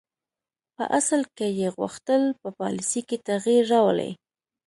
په اصل کې یې غوښتل په پالیسي کې تغییر راولي.